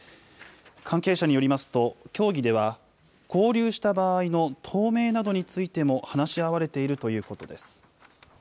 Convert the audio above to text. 関係者によりますと、協議では、合流した場合の党名などについても、話し合われているということです。